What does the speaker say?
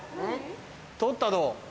「とったど」。